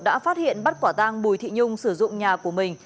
đã phát hiện bắt quả tang bùi thị nhung sử dụng nhà của mình